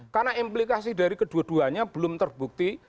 karena implikasi dari kedua duanya belum terbukti